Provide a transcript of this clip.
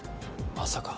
まさか。